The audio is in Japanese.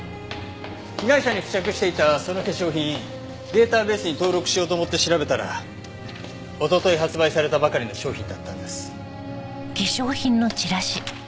被害者に付着していたその化粧品データベースに登録しようと思って調べたらおととい発売されたばかりの商品だったんです。